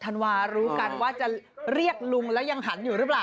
ธันวารู้กันว่าจะเรียกลุงแล้วยังหันอยู่หรือเปล่า